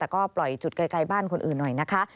แต่ก็ปล่อยจุดไกลบ้านคนอื่นหน่อยนะคะ